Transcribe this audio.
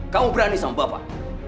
kamu berani sama bapak